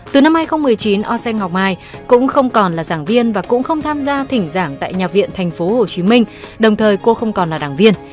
từ năm hai nghìn một mươi chín ocean ngọc mai cũng không còn là giảng viên và cũng không tham gia thỉnh giảng tại nhà viện tp hcm đồng thời cô không còn là đảng viên